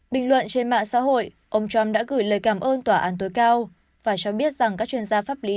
bình luận trên mạng xã hội ông trump đã gửi lời cảm ơn tòa án tối cao và cho biết rằng các chuyên gia pháp lý